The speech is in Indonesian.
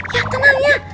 ya tenang ya